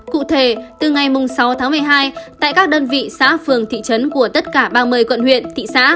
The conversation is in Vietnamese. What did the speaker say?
cụ thể từ ngày sáu tháng một mươi hai tại các đơn vị xã phường thị trấn của tất cả ba mươi quận huyện thị xã